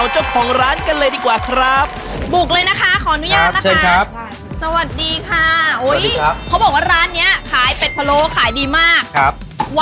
จากเทศกาลสุฟีใช่มั้ยครับ